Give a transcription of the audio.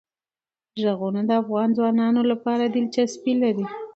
غرونه د افغان ځوانانو لپاره دلچسپي لري.